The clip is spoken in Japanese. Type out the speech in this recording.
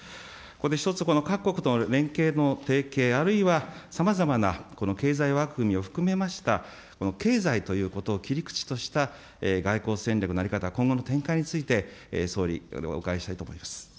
そこで１つ各国との連携の提携、あるいはさまざまな経済枠組みを含めました、経済ということを切り口とした外交戦略の在り方、今後の展開について、総理、お伺いしたいと思います。